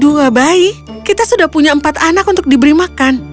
dua bayi kita sudah punya empat anak untuk diberi makan